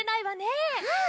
うん。